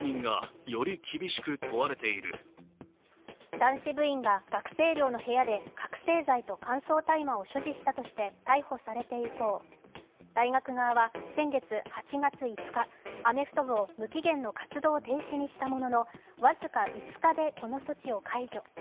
男子部員が学生寮の部屋で覚醒剤と乾燥大麻を所持したとして逮捕されて以降、大学側は先月８月５日、アメフト部を無期限の活動停止にしたものの僅か５日でこの措置を解除。